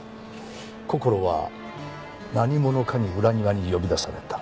こころは何者かに裏庭に呼び出された。